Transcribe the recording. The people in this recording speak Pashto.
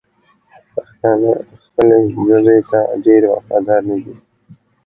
پښتانه خپلې ژبې ته ډېر وفادار ندي!